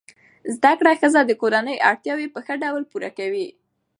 زده کړه ښځه د کورنۍ اړتیاوې په ښه ډول پوره کوي.